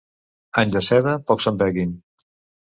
Any de seda, pocs se'n vegin.